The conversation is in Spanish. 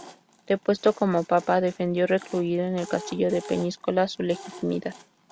Depuesto como Papa, defendió recluido en el castillo de Peñíscola su legitimidad.